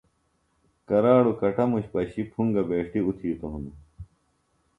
کراڑوۡ کٹموش پشیۡ پُھنگہ بیݜٹیۡ اُتِھیتوۡ ہنوۡ